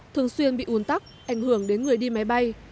thường xuyên bị ùn tắc ảnh hưởng đến người đi máy bay